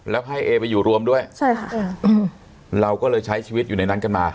แล้วให้เอไปอยู่รวมด้วยใช่ค่ะเราก็เลยใช้ชีวิตอยู่ในนั้นกันมา